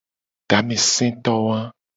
Tameseto wa.